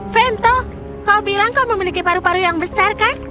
vento kau bilang kau memiliki paru paru yang besar kan